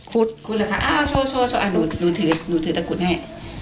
คุศหรือคะโชว์ดูถือดูถือตะกุศให้